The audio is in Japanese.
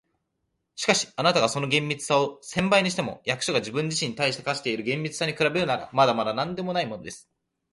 「しかし、あなたがその厳密さを千倍にしても、役所が自分自身に対して課している厳密さに比べるなら、まだまだなんでもないものです。